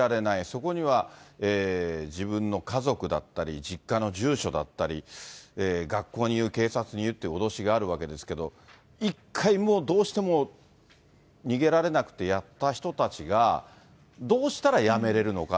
そこには、自分の家族だったり実家の住所だったり、学校に言う、警察に言うっていう脅しがあるわけですけど、１回もう、どうしても逃げられなくてやった人たちが、どうしたらやめれるのか。